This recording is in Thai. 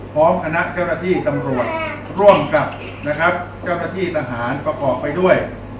พร้อมคณะเจ้าหน้าที่ตำรวจร่วมกับนะครับเจ้าหน้าที่ทหารประกอบไปด้วย